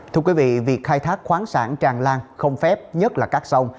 thưa quý vị việc khai thác khoáng sản tràn lan không phép nhất là các sông